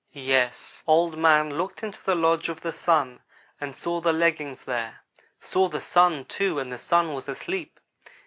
"Yes Old man looked into the lodge of the Sun and saw the leggings there saw the Sun, too, and the Sun was asleep.